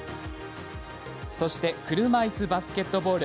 そして車いすバスケットボール。